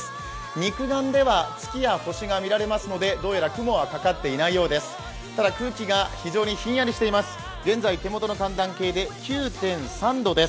肉眼では月や星が見られますのでどうやら雲はかかっていないようです。